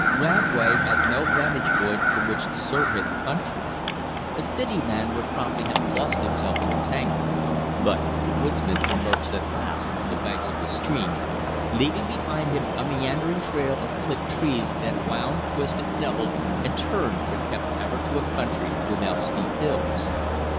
Radway had no vantage point from which to survey the country. A city man would promptly have lost himself in the tangle; but the woodsman emerged at last on the banks of the stream, leaving behind him a meandering trail of clipped trees that wound, twisted, doubled, and turned, but kept ever to a country without steep hills.